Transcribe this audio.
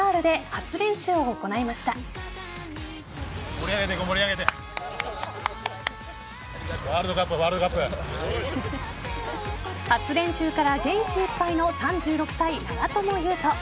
初練習から元気いっぱいの３６歳、長友佑都。